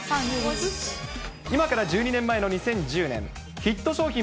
今から１２年前の２０１０年、ヒット商品